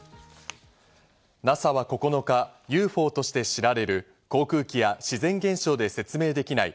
ＮＡＳＡは９日、ＵＦＯとして知られる航空機や自然現象で説明できない